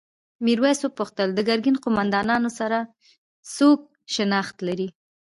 میرويس وپوښتل د ګرګین قوماندانانو سره څوک شناخت لري؟